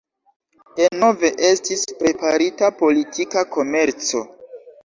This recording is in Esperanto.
Denove estis preparita politika komerco.